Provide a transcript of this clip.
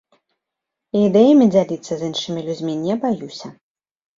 Ідэямі дзяліцца з іншымі людзьмі не баюся.